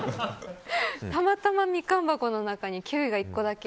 たまたま、ミカン箱の中にキウイが１個だけ。